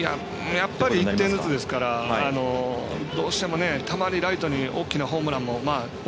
やっぱり１点ずつですからどうしても、たまにライトに大きなホームランも。